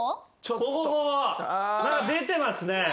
ここ出てますね。